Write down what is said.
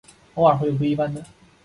偶尔会有不一般的。